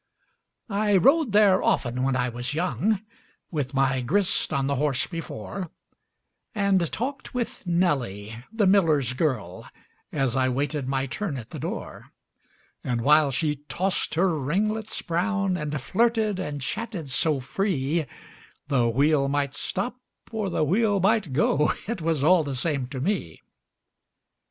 I rode there often when I was young, With my grist on the horse before, And talked with Nelly, the miller's girl, As I waited my turn at the door; And while she tossed her ringlets brown, And flirted and chatted so free, The wheel might stop or the wheel might go, It was all the same to me.